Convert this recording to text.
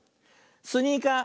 「スニーカー」。